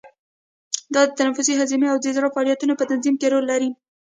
دا د تنفسي، هضمي او زړه فعالیتونو په تنظیمولو کې رول لري.